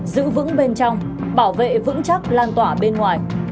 giữ vững bên trong bảo vệ vững chắc lan tỏa bên ngoài